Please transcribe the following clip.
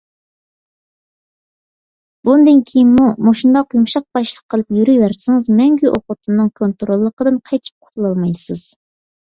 بۇندىن كېيىنمۇ مۇشۇنداق يۇمشاقباشلىق قىلىپ يۈرۈۋەرسىڭىز، مەڭگۈ ئۇ خوتۇننىڭ كونتروللۇقىدىن قېچىپ قۇتۇلالمايسىز.